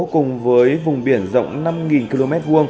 cùng với vùng biển rộng năm km hai